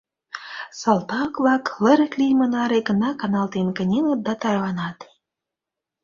Салтак-влак лырык лийме наре гына каналтен кынелыт да тарванат.